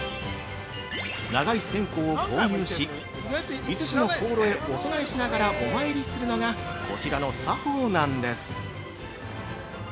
長い線香を購入し、５つの香炉へお供えしながらお参りするのがこちらの作法なんです。